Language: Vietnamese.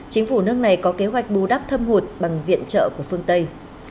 chính phủ nước này có kế hoạch bù đắp thâm hụt bằng viện trợ của phương tây